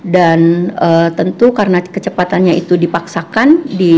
dan tentu karena kecepatannya itu dipaksakan